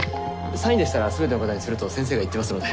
サインでしたらすべての方にすると先生が言ってますので。